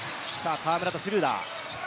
河村とシュルーダー。